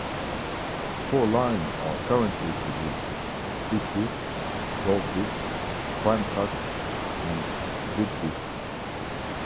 Four lines are currently produced: HitDisc, GoldDisc, PrimeCuts, and VidDisc.